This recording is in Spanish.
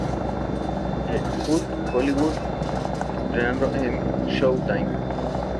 De Hood a Hollywood, estrenado en Showtime.